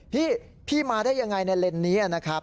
พี่พี่มาได้อย่างไรในเลนส์นี้นะครับ